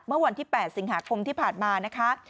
เมื่อวันที่๘สิงหาคมที่ผ่านมานะคะ